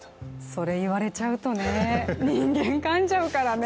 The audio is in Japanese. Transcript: それ言われちゃうとね、人間、かんじゃうからね。